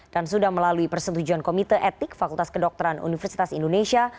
dan sudah melalui persetujuan komite etik fakultas kedokteran universitas indonesia